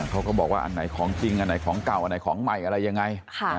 เขาก็บอกว่าอันไหนของจริงอันไหนของเก่าอันไหนของใหม่อะไรยังไง